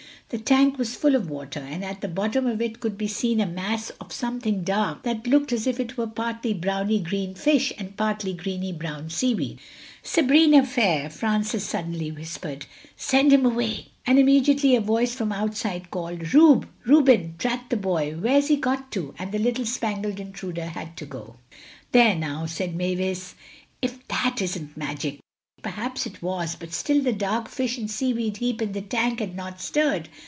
The tank was full of water and at the bottom of it could be seen a mass of something dark that looked as if it were partly browny green fish and partly greeny brown seaweed. "Sabrina fair," Francis suddenly whispered, "send him away." And immediately a voice from outside called "Rube—Reuben—drat the boy, where's he got to?"—and the little spangled intruder had to go. "There, now," said Mavis, "if that isn't magic!" Perhaps it was, but still the dark fish and seaweed heap in the tank had not stirred.